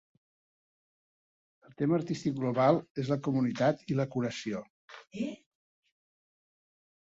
El tema artístic global és la comunitat i la curació.